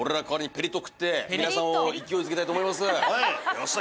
よっしゃ！